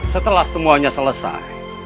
setelah semuanya selesai